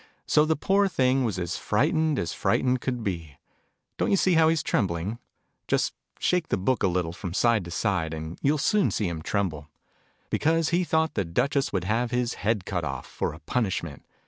So the poor thing was as frightened as frightened could be ( Don't you see how lie's trembling ? Just shake the book a little. Digitized by Google THE WHITE RABBIT. 3 from side to side, and you'll soon see him tremble), because he thought the Duchess would have his head cut off, for a punishment.